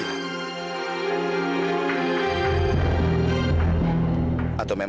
bagaimana kalau meskipun kamu tetap jadi bos